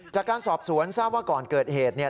จากการสอบสวนทราบว่าก่อนเกิดเหตุเนี่ย